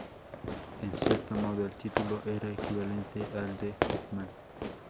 En cierto modo el título era equivalente al de Hetman.